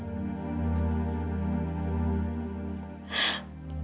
pilihan yang terbaik buat kamu